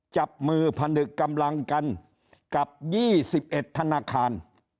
จับมือผนึกกำลังกันกับ๒๑ธนาคาร